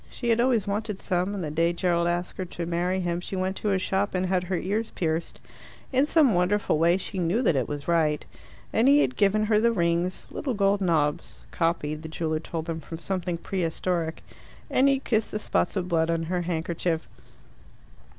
She had always wanted some, and the day Gerald asked her to marry him she went to a shop and had her ears pierced. In some wonderful way she knew that it was right. And he had given her the rings little gold knobs, copied, the jeweller told them, from something prehistoric and he had kissed the spots of blood on her handkerchief.